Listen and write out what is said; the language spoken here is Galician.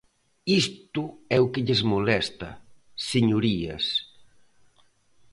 Isto é o que lles molesta, señorías.